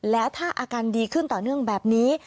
แล้วถ้าอาการดีขึ้นต่อเนื่องแบบนี้